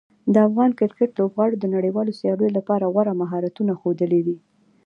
د افغان کرکټ لوبغاړو د نړیوالو سیالیو لپاره غوره مهارتونه ښودلي دي.